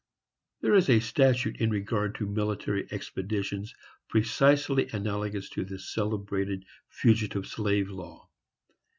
There is a statute in regard to military expeditions precisely analogous to this celebrated fugitive slave law.